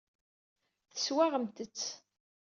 Teswaɣemt-t.